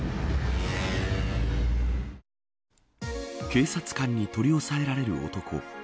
警察官に取り押さえられる男。